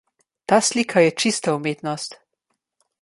Ta slika je čista umetnost.